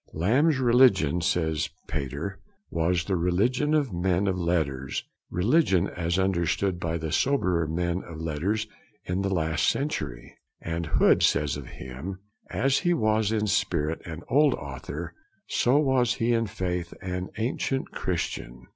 Lamb's religion, says Pater, was 'the religion of men of letters, religion as understood by the soberer men of letters in the last century'; and Hood says of him: 'As he was in spirit an Old Author, so was he in faith an Ancient Christian.'